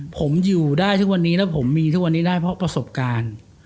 ผมอยู่ได้ทุกวันนี้แล้วผมมีทุกวันนี้ได้เพราะประสบการณ์